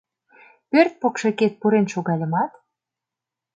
Пӧрт покшекет пурен шогальымат